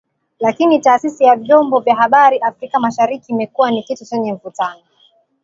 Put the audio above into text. Lakini Taasisi ya Vyombo vya Habari Afrika Mashariki imekuwa ni kitu chenye mvutano